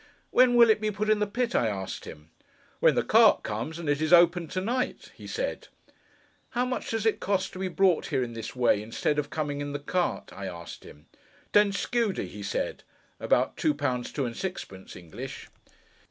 'When will it be put in the pit?' I asked him. 'When the cart comes, and it is opened to night,' he said. 'How much does it cost to be brought here in this way, instead of coming in the cart?' I asked him. 'Ten scudi,' he said (about two pounds, two and sixpence, English).